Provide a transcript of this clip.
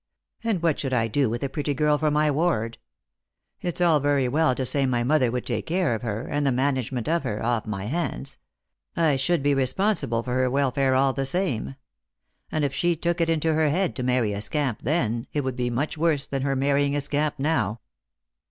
And what should I do with a pretty girl for my ward ? It's all very well to say my mother would take the care of her, and the management of her, off my hands. I should be responsible for her welfare all the same. And if she took it into her head to marry a scamp then, it would be much worse than her marrying a scamp now."